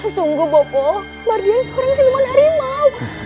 sungguh bopo mardian seorang seliman harimau